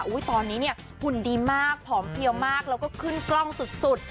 ตอนนี้เนี่ยหุ่นดีมากผอมเพลียวมากแล้วก็ขึ้นกล้องสุด